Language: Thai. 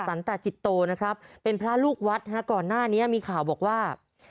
สันตจิตโตนะครับเป็นพระลูกวัดนะฮะก่อนหน้านี้มีข่าวบอกว่า